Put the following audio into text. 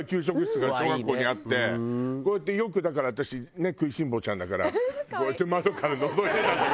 こうやってよくだから私食いしん坊ちゃんだからこうやって窓からのぞいてたんだけど。